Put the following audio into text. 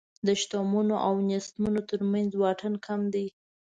د شتمنو او نېستمنو تر منځ واټن کم دی.